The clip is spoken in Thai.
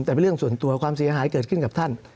แต่เป็นเรื่องส่วนตัวความเสียหายเกิดขึ้นกับท่าน